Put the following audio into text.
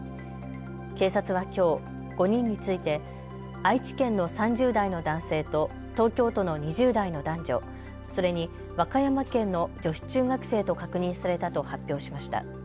警察はきょう５人について愛知県の３０代の男性と東京都の２０代の男女、それに和歌山県の女子中学生と確認されたと発表しました。